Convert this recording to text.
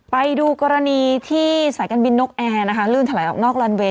ไปดูกรณีที่สายการบินนกแอร์นะคะลื่นถลายออกนอกลันเวย